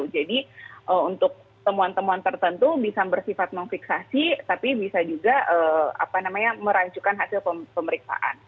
jadi untuk temuan temuan tertentu bisa bersifat memfiksasi tapi bisa juga merancukan hasil pemeriksaan